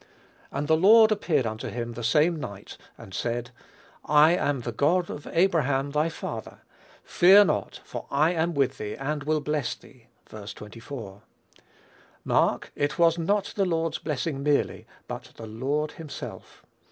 "And the Lord appeared unto him the same night, and said, I am the God of Abraham thy father; fear not, for I am with thee, and will bless thee" (Ver. 24.) Mark, it was not the Lord's blessing merely, but the Lord himself.